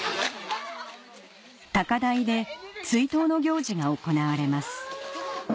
高台で追悼の行事が行われます